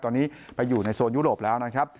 ตอนนี้ไปอยู่ในโซนยุโรปแล้วนะครับ